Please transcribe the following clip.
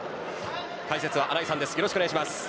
解説は穴井さんです。